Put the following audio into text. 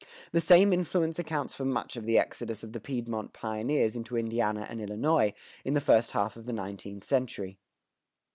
The same influence accounts for much of the exodus of the Piedmont pioneers into Indiana and Illinois, in the first half of the nineteenth century.